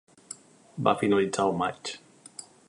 Va finalitzar al maig.